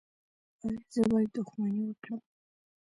ایا زه باید دښمني وکړم؟